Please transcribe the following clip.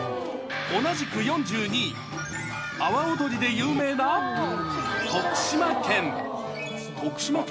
同じく４２位、阿波おどりで有名な徳島県。